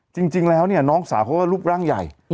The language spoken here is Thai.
จริงแล้วเนี่ยน้องสาวเขาก็รูปร่างใหญ่